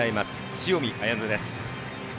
塩見綾乃です。